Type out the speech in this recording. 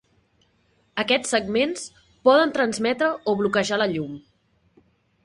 Aquests segments poden transmetre o bloquejar la llum.